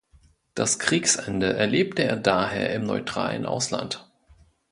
Das Kriegsende erlebte er daher im neutralen Ausland.